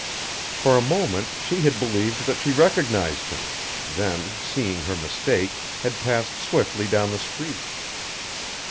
For a moment she had believed that she recognized him then, seeing her mistake, had passed swiftly down the street.